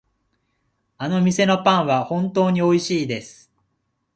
あの店のパンは本当においしいです。